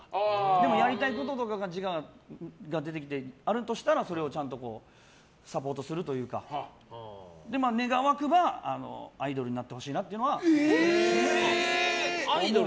でもやりたいこととかが出てきてあるとしたら、それをちゃんとサポートするというかそれで願わくばアイドルになってほしいなというのは。